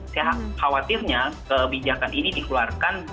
saya khawatirnya kebijakan ini dikeluarkan